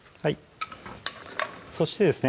そしてですね